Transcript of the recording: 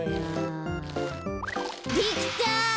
できた！